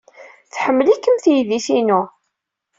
Tḥemmel-ikem teydit-inu.